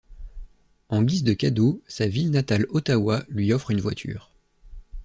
En guise de cadeau, sa ville natale Ottawa lui offre une voiture.